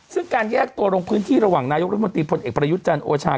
ซึ่งการแยกตัวลงพื้นที่ระหว่างนายกรัฐมนตรีพลเอกประยุทธ์จันทร์โอชา